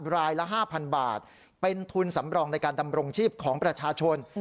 รายละ๕๐๐บาทเป็นทุนสำรองในการดำรงชีพของประชาชน